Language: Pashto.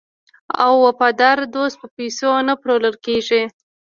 وفادار دوست په پیسو نه پلورل کیږي.